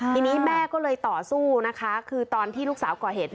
ทีนี้แม่ก็เลยต่อสู้นะคะคือตอนที่ลูกสาวก่อเหตุ